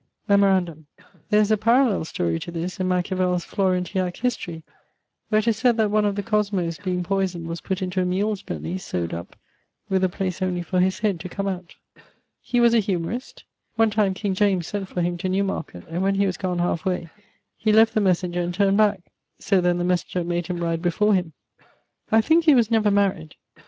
Memorandum: there is a parallell storie to this in Machiavell's Florentiac History, where 'tis sayd that one of the Cosmo's being poysoned was putt into a mule's belly, sowed up, with a place only for his head to come out. He was a humorist. One time king James sent for him to New market, and when he was gon halfe way left the messenger and turned back; so then the messenger made him ride before him. I thinke he was never maried.